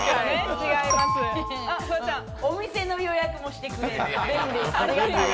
お店の予約をしてくれる。